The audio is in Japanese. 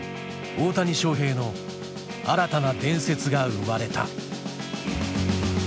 大谷翔平の新たな伝説が生まれた。